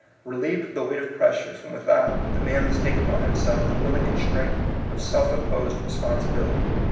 Re lieved of the weight of pressure from with out, the man must take upon himself the willing constraint of self imposed responsi bility.